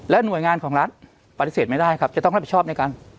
หน่วยงานของรัฐปฏิเสธไม่ได้ครับจะต้องรับผิดชอบในการ